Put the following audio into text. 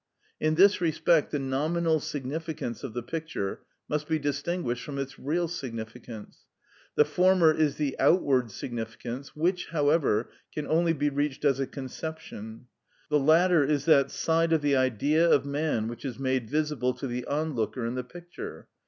In this respect the nominal significance of the picture must be distinguished from its real significance. The former is the outward significance, which, however, can only be reached as a conception; the latter is that side of the Idea of man which is made visible to the onlooker in the picture.